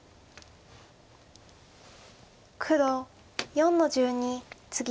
黒４の十二ツギ。